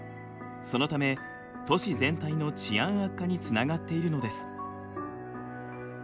そのため都市全体の治安悪化につながっているのです。